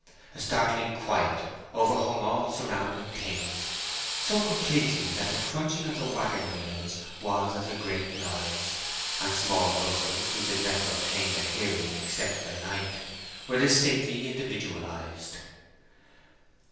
A startling quiet overhung all surrounding things—so completely, that the crunching of the waggon wheels was as a great noise, and small rustles, which had never obtained a hearing except by night, were distinctly individualized.